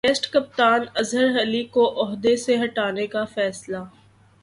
test کپتان اظہرعلی کو عہدہ سےہٹانےکا فیصلہ